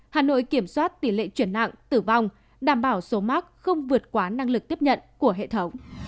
hà nội kiểm soát tỷ lệ chuyển nặng tử vong đảm bảo số mắc không vượt quá năng lực tiếp nhận của hệ thống